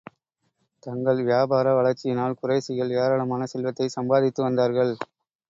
தங்கள் வியாபார வளர்ச்சியினால் குறைஷிகள், ஏராளமான செல்வத்தைச் சம்பாதித்து வந்தார்கள்.